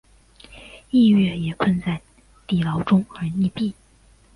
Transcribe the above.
逸悦也困在地牢中而溺毙。